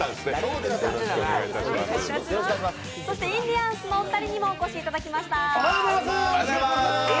そしてインディアンスのお二人にもお越しいただきました。